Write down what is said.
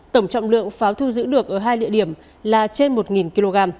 tổng trọng lượng pháo thu giữ được ở hai địa điểm là trên một kg